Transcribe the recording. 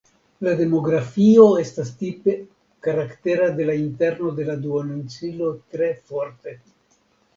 La demografio estas tipe karaktera de la interno de la duoninsulo tre forte.